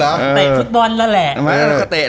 เตะทุกวันแล้วแหละ